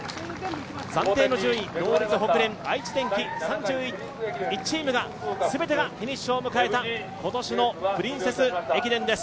暫定の順位、ノーリツ、ホクレン、愛知電機３１チーム全てがフィニッシュを迎えた今年の「プリンセス駅伝」です。